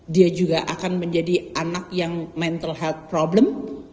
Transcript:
dia juga akan menjadi anak yang mental health problem